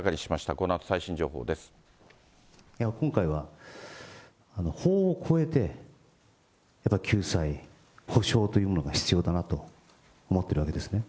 このあと、今回は法を超えて、やっぱり救済・補償というものが必要だなと思ってるわけですね。